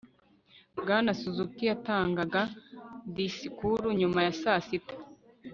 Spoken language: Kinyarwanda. Bwana Suzuki yatangaga disikuru nyuma ya saa sita